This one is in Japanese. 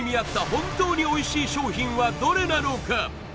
本当においしい商品はどれなのか？